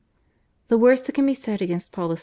The worst that can be said against Paul II.